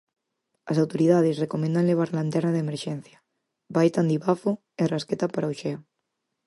As autoridades recomendan levar lanterna de emerxencia, baeta antibafo e rasqueta para o xeo.